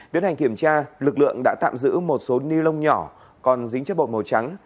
tiến hành kiểm tra lực lượng đã tạm giữ một số ni lông nhỏ còn dính chất bột màu trắng